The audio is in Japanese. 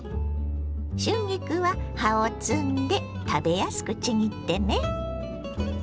春菊は葉を摘んで食べやすくちぎってね。